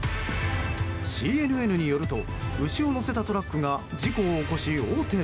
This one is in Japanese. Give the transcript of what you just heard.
ＣＮＮによると牛を載せたトラックが事故を起こし、横転。